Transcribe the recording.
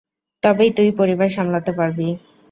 তবেই তুই পরিবার সামলাতে পারবি।